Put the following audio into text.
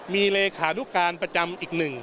มีเลขานุการประจำอีก๑